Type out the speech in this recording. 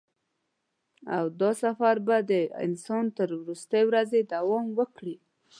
او دا سفر به د انسان تر وروستۍ ورځې دوام وکړي.